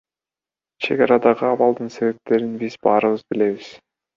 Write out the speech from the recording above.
Чек арадагы абалдын себептерин биз баарыбыз билебиз.